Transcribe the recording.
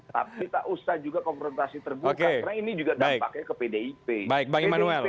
tapi tak usah juga konfrontasi terbuka karena ini juga dampaknya ke pdip